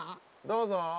どうぞ。